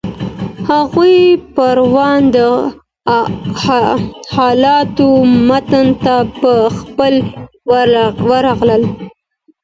هغوی پرون د حالاتو متن ته په خپله ورغلل.